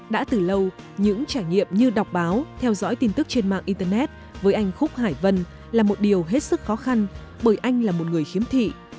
đã từ lâu những trải nghiệm như đọc báo theo dõi tin tức trên mạng internet với anh khúc hải vân là một điều hết sức khó khăn bởi anh là một người khiếm thị